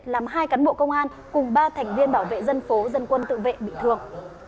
làm hai cán bộ công an cùng ba thành viên bảo vệ dân phố dân quân tự vệ bị thương